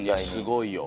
すごいよ。